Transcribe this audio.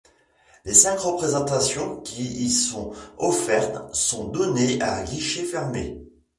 Les cinq représentations qui y sont offertes sont données à guichets fermés.